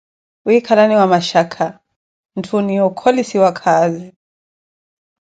wiikalaniwa mashakha, nthu oniiya okolosiwa khaazi.